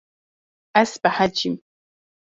Ez behecîm.